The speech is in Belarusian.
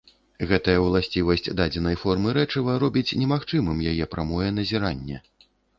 Гэтая ўласцівасць дадзенай формы рэчыва робіць немагчымым яе прамое назіранне.